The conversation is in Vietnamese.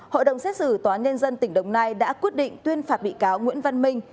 hội đồng xét xử tòa nhân dân tỉnh đồng nai đã quyết định tuyên phạt bị cáo nguyễn văn minh